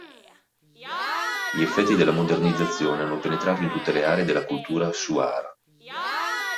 Gli effetti della modernizzazione hanno penetrato in tutte le aree della cultura Shuar.